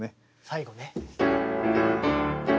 最後ね。